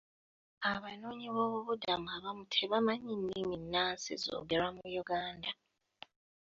Abanoonyi b'obubudamu abamu tebamanyi nnimi nnansi zoogerwa mu Uganda.